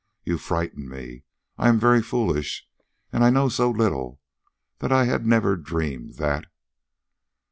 "You frighten me. I am very foolish, and I know so little, that I had never dreamed... THAT."